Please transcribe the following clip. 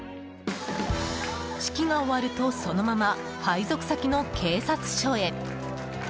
式が終わるとそのまま配属先の警察署へ。